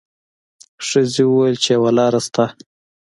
ښځې وویل چې یوه لار شته.